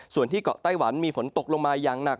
ส่วนที่เกาะไต้หวันมีฝนตกลงมาอย่างหนัก